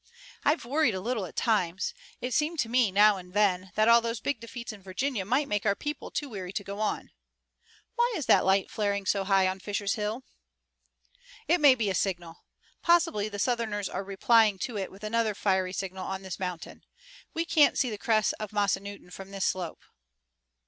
"I've worried a little at times. It seemed to me now and then that all those big defeats in Virginia might make our people too weary to go on. Why is that light flaring so high on Fisher's Hill?" "It may be a signal. Possibly the Southerners are replying to it with another fiery signal on this mountain. We can't see the crest of Massanutton from this slope."